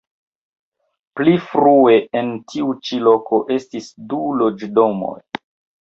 Pli frue en tiu ĉi loko estis du loĝdomoj.